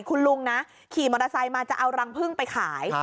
คุณลุงนะขี่มอเตอร์ไซค์มาจะเอารังพึ่งไปขาย